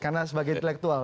karena sebagai intelektual